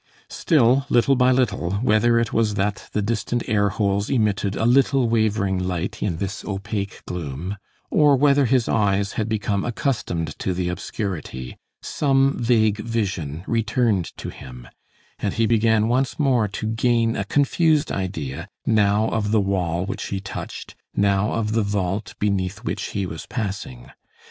Still, little by little, whether it was that the distant air holes emitted a little wavering light in this opaque gloom, or whether his eyes had become accustomed to the obscurity, some vague vision returned to him, and he began once more to gain a confused idea, now of the wall which he touched, now of the vault beneath which he was passing.